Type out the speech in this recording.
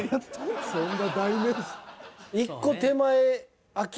そんな代名詞。